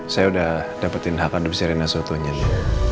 saya udah dapetin hak adem si rina suatu nyata